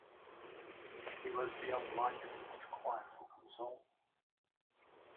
He was beyond my skill to quiet or console!